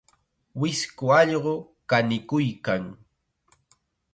Wisku allqu kanikuykan.